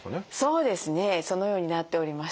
そうですねそのようになっておりまして。